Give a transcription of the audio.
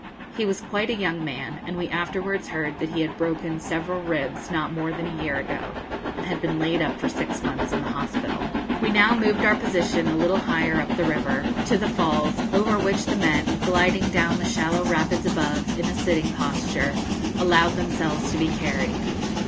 He was quite a young man, and we afterwards heard that he had broken several ribs not more than a year ago, and had been laid up for six months in the hospital. We now moved our position a little higher up the river, to the Falls, over which the men, gliding down the shallow rapids above, in a sitting posture, allowed themselves to be carried.